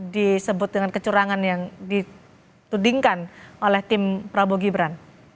disebut dengan kecurangan yang ditudingkan oleh tim prabowo gibran